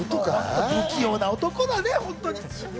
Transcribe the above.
不器用な男だね、本当に。